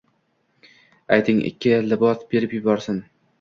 Ayting, ikki libos berib yuborsin